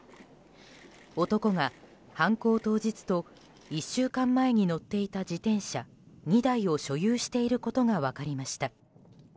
男が犯行当日と１週間前に乗っていた自転車２台を所有していることが分かりました。